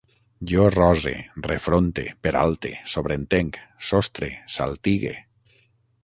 Jo rose, refronte, peralte, sobreentenc, sostre, saltigue